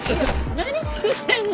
何作ってんの？